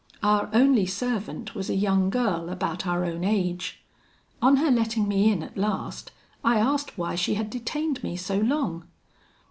Our only servant was a young girl about our own age. On her letting me in at last, I asked why she had detained me so long?